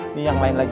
ini yang lain lagi